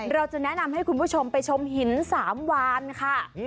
เราจะแนะนำให้คุณผู้ชมไปชมหินสามวานค่ะ